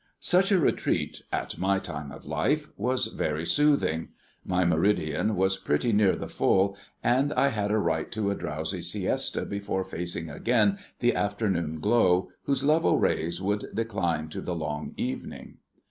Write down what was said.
Such a retreat, at my time of life, was very soothing. My meridian was pretty near the full, and I had a right to a drowsy siesta before facing again the afternoon glow whose level rays would decline to the long evening.